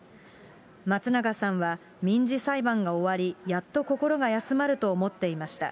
松永さんは民事裁判が終わり、やっと心が休まると思っていました。